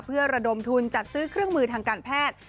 เพื่อระดมทุนจัดซื้อเครื่องมือทางการแพทย์